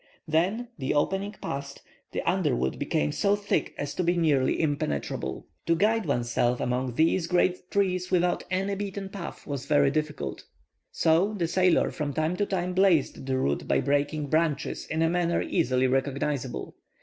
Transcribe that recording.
Then, the opening passed, the underwood became so thick as to be nearly impenetrable. To guide oneself among these great trees without any beaten path was very difficult. So the sailer from time to time blazed the route by breaking branches in a manner easily recognizable.